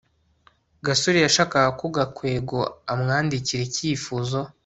gasore yashakaga ko gakwego amwandikira icyifuzo